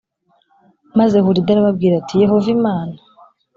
maze hulida arababwira ati yehova imana